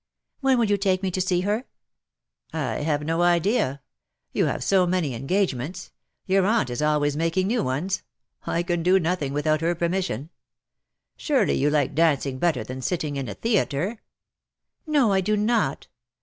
" When will you take me to see her ?"" I have no idea. You have so many engage ments — your aunt is always making new ones. I can do nothing without her permission. Surely you like dancing better than sitting in a theatre ?" "No, I do not.